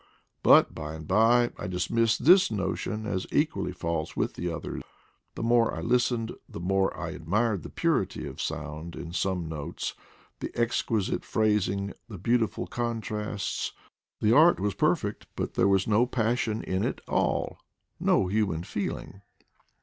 But by and by I dismissed this notion as equally false with the other; the more I listened the more I admired the purity of sound in some notes, the exquisite phrasing, the beautiful con trasts ; the art was perfect, but there was no pas sion in it all — no human feeling.